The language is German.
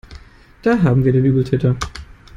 Da haben wir den Übeltäter.